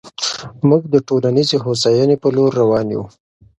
موږ د ټولنیزې هوساینې په لور روان یو.